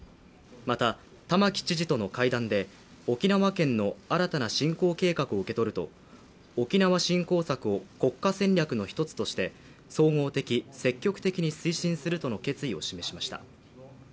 また、玉城知事との会談で沖縄県の新たな振興計画を受け取ると、沖縄振興策を国家戦略の一つとして総合的、積極的に推進するとの決意を示しました。